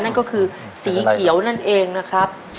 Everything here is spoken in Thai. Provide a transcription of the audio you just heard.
นั่นก็คือสีเขียวนั่นเองนะครับ